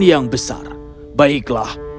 yang besar baiklah